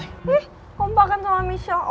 eh kompakan sama michelle